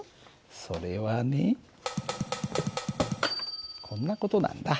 それはねこんな事なんだ。